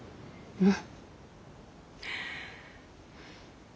うん。